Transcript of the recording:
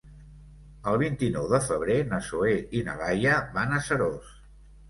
El vint-i-nou de febrer na Zoè i na Laia van a Seròs.